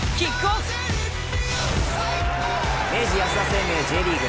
明治安田生命Ｊリーグ